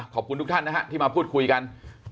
ขอบคุณทุกท่านนะฮะที่มาพูดคุยกัน